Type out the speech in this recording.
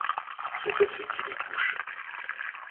C’est assez qu’il y couche.